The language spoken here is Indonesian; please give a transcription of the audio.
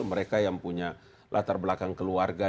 mereka yang punya latar belakang keluarga